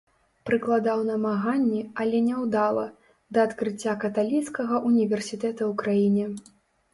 Прыкладаў намаганні, але няўдала, да адкрыцця каталіцкага ўніверсітэта ў краіне.